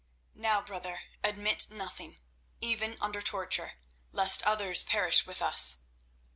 "Now, my brother, admit nothing, even under torture, lest others perish with us."